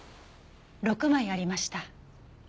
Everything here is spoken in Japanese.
６枚ありました。